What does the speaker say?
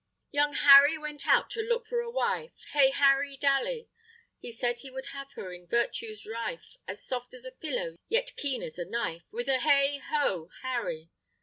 Young Harry went out to look for a wife, Hey, Harry Dally! He said he would have her in virtues rife, As soft as a pillow, yet keen as a knife, With a hey ho, Harry!